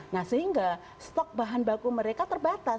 nah sehingga stok bahan baku mereka terbatas